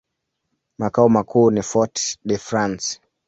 Makao makuu ni Fort-de-France.